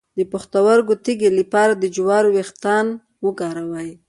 د پښتورګو تیږې لپاره د جوارو ویښتان وکاروئ